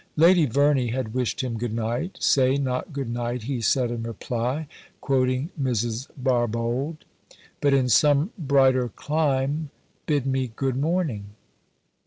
Lady Verney had wished him good night. "Say not good night," he said in reply, quoting Mrs. Barbauld, "but in some brighter clime Bid me good morning."